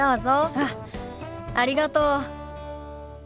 あっありがとう。